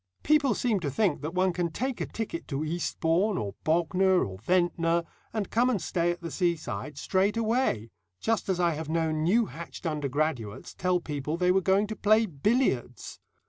People seem to think that one can take a ticket to Eastbourne, or Bognor, or Ventnor, and come and stay at the seaside straight away, just as I have known new hatched undergraduates tell people they were going to play billiards.